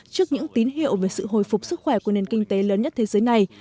trước những tín hiệu về sự hồi phục sức khỏe của nền kinh tế lớn nhất thế giới này